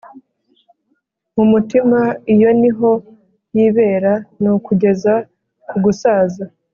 Mumutima iyo niho yibera nukugeza kugusaza